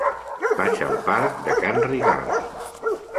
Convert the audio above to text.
Vaig al parc de Can Rigal.